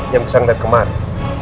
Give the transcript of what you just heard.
yang bisa ngeliat kemarin